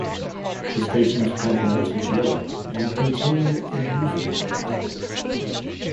The station's penthouse is yellow and contained a newspaper outlet.